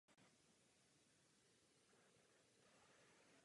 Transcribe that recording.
To by se mělo opírat o vyvážené posouzení dopadu.